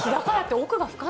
奥が深い。